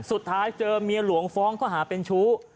สุดท้ายเจอเมียหลวงฟ้องข้อหาเป็นชู้